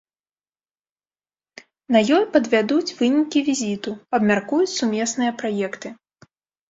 На ёй падвядуць вынікі візіту, абмяркуюць сумесныя праекты.